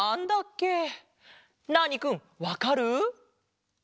ナーニくんわかる？